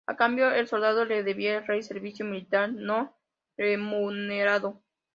A cambio, el soldado le debía al rey servicio militar no remunerado.